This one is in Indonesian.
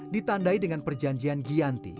ditandai dengan perjanjian giyanti